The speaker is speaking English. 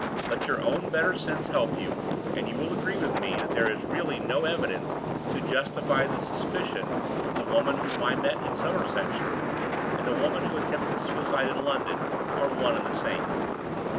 Let your own better sense help you; and you will agree with me that there is really no evidence to justify the suspicion that the woman whom I met in Somersetshire, and the woman who attempted suicide in London, are one and the same.